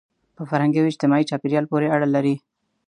په فرهنګي او اجتماعي چاپېریال پورې اړه لري.